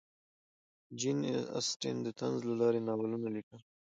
جین اسټن د طنز له لارې ناولونه لیکل.